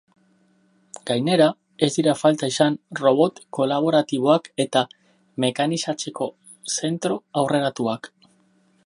Gainera, ez dira falta izan robot kolaboratiboak eta mekanizatzeko zentro aurreratuak.